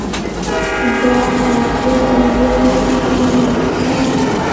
دا په اتیا او یو سوه میلادي کال کې و